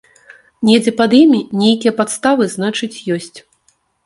Недзе пад імі нейкія падставы, значыць, ёсць.